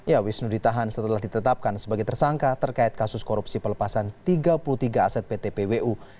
ya wisnu ditahan setelah ditetapkan sebagai tersangka terkait kasus korupsi pelepasan tiga puluh tiga aset pt pwu